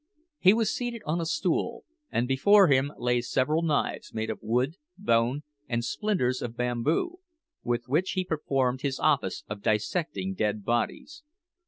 He was seated on a stool, and before him lay several knives, made of wood, bone, and splinters of bamboo, with which he performed his office of dissecting dead bodies.